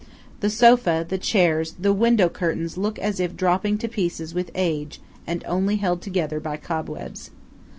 The sofa, the chairs, the window curtains look as if dropping to pieces with age and only held together by cobwebs.